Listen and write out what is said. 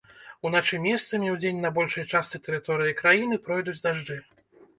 Уначы месцамі, удзень на большай частцы тэрыторыі краіны пройдуць дажджы.